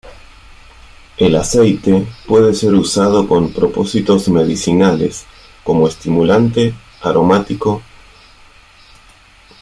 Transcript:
El aceite puede ser usado con propósitos medicinales como estimulante, aromático.